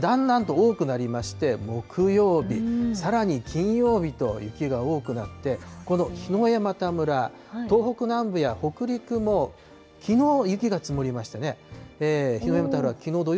だんだんと多くなりまして、木曜日、さらに金曜日と雪が多くなって、この桧枝岐村、東北南部や北陸もきのう雪が積もりましたね。